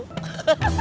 gue nggak bercanda